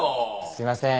すいません。